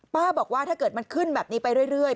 บอกว่าถ้าเกิดมันขึ้นแบบนี้ไปเรื่อย